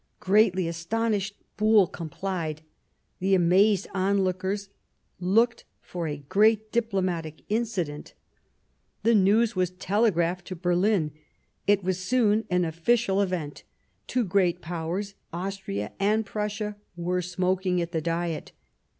Greatly astonished, Buol complied ; the amazed onlookers looked for a great diplomatic incident. The news was telegraphed to Berlin ; it was soon an official event — two great Powers, Austria and Prussia, were smoking at the Diet.